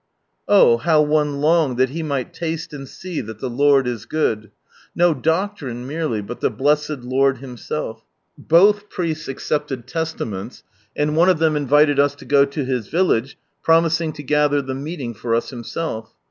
Oh, how one longed that he might taste and see that the Lord is good; no doctrine merely, but the blessed Lord Himself! Both priests accepted Testaments, and one of them invited us to go to his village, promising to gather the meeting for us himself.